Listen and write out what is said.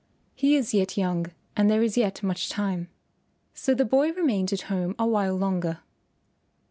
He is yet young and there is yet much time." So the boy remained at home a while longer.